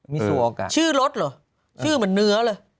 มันใช่ชื่อรถหรอชื่อเหมือนเนื้อเลย